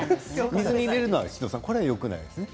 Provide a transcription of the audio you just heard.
水に入れるのがよくないですね。